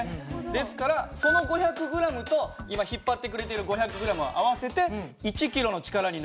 ですからその５００ｇと今引っ張ってくれてる５００ｇを合わせて１キロの力になると。